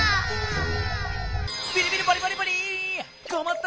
ビリビリバリバリバリッ！